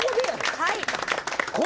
はい。